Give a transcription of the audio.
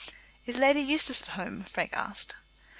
"Is Lady Eustace at home?" Frank asked.